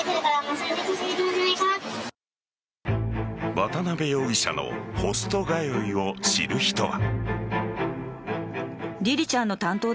渡辺容疑者のホスト通いを知る人は。